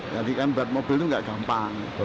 jadi kan buat mobil itu tidak gampang